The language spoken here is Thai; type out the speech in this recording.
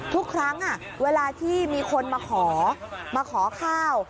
ทุกครั้งเวลาที่มีคนมาขอมาขอข้าว